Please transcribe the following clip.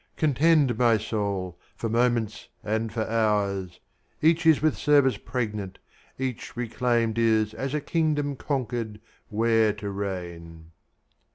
Contend, my soul, for moments and for hours; Each is with service pregnant; each reclaimed Is as a kingdom conquered, where to reign.